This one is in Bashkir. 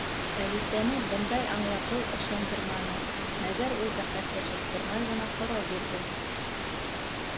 Әлисәне бындай аңлатыу ышандырманы, мәгәр ул бәхәсләшеп тормай ғына һорау бирҙе: